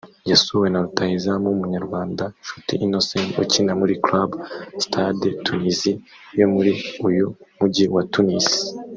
yasuwe na rutahizamu w’umunyarwanda Nshuti Innocent ukina muri Club Stade Tunisien yo muri uyu Mujyi wa Tunis